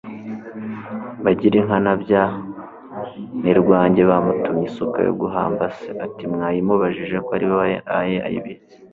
bigirankana bya nirwange bamutumye isuka yo guhamba se, ati mwayimubajije ko ari we waraye ayibitse